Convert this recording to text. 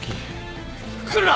来るな！